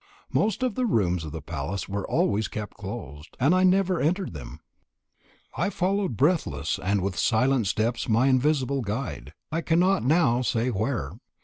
Most of the rooms of the palace were always kept closed, and I had never entered them. I followed breathless and with silent steps my invisible guide I cannot now say where.